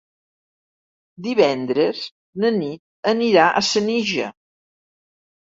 Divendres na Nit anirà a Senija.